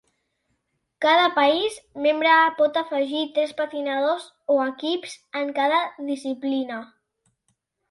Cada país membre pot afegir tres patinadors o equips en cada disciplina.